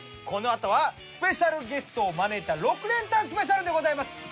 このあとはスペシャルゲストを招いた６連単スペシャルでございます。